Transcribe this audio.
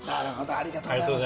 ありがとうございます。